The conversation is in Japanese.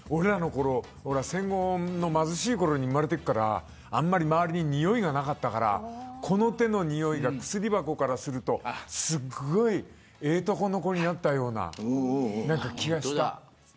俺らは戦後の貧しいころに生まれてるからあまり周りににおいがなかったからこの手のにおいが薬箱からするとすごく、ええとこの子になったような気がした。